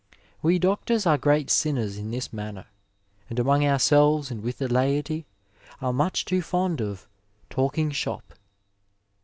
We doctors are great sinners in this manner, and among ourselves and with the laity are much too fond of '* talking shop."